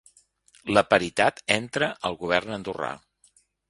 La paritat entra al govern Andorrà